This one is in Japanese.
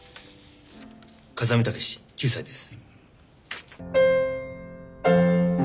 風見武志９歳です。